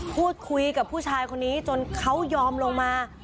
พูดคุยกับผู้ชายคนนี้จนเขายอมลงมา